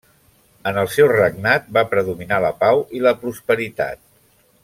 En el seu regnat va predominar la pau i la prosperitat.